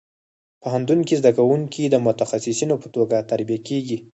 پوهنتون کې زده کوونکي د متخصصینو په توګه تربیه کېږي.